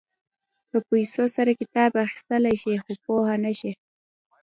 په پیسو سره کتاب اخيستلی شې خو پوهه نه شې.